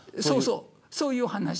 そうそう、そういうお話。